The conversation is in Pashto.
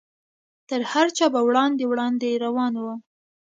تر هر چا به وړاندې وړاندې روان و.